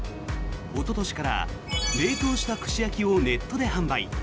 おととしから冷凍した串焼きをネットで販売。